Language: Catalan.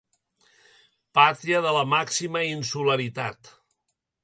Pàtria de la màxima insularitat.